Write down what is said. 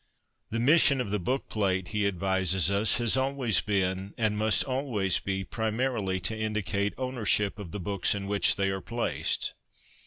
' The mission of the bookplate,' he advises us, ' has always been, and must always be, primarily to indicate owner ship of the books in which they are placed.